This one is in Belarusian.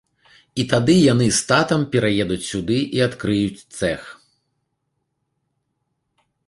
І тады яны з татам пераедуць сюды і адкрыюць цэх.